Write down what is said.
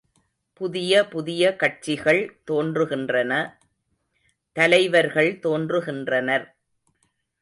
புதிய புதிய கட்சிகள் தோன்றுகின்றன தலைவர்கள் தோன்றுகின்றனர்.